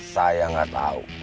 saya gak tau